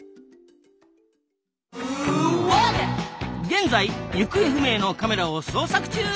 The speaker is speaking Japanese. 現在行方不明のカメラを捜索中。